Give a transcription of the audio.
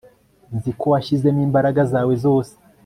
Nzi ko washyizemo imbaraga zawe zose